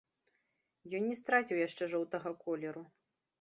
Ён не страціў яшчэ жоўтага колеру.